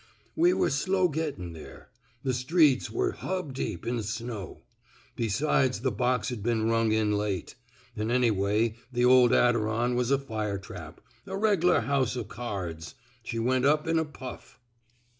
We were slow gettin* there. The streets were hub deep — in snow. Besides the box*d been rung in late. An' anyway the oV Adiron was a fire trap — a regular house o' cards. She went up in a puff.